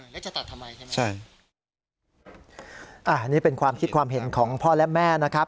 แล้วจะตัดทำไมใช่ไหมใช่อันนี้เป็นความคิดความเห็นของพ่อและแม่นะครับ